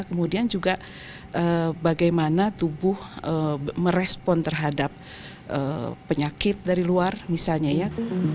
kemudian juga bagaimana tubuh merespon terhadap penyakit dari luar misalnya ya